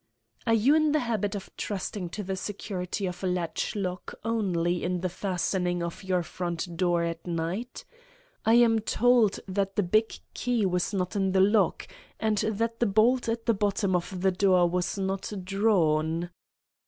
"Are you in the habit of trusting to the security of a latch lock only in the fastening of your front door at night? I am told that the big key was not in the lock, and that the bolt at the bottom of the door was not drawn."